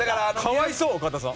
かわいそう岡田さん。